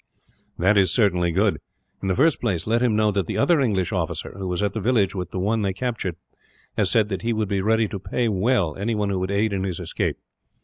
"That is good. In the first place, let him know that the other English officer, who was at the village with the one they captured, had said that he would be ready to pay well anyone who would aid in his escape.